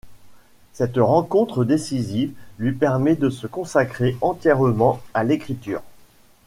Cette rencontre décisive lui permet de se consacrer entièrement à l’écriture.